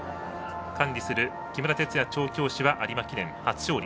管理する木村哲也調教師は有馬記念初勝利。